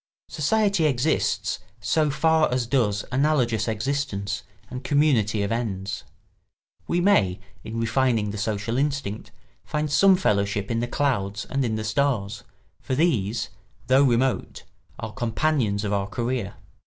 Society exists so far as does analogous existence and community of ends. We may, in refining the social instinct, find some fellowship in the clouds and in the stars, for these, though remote, are companions of our career.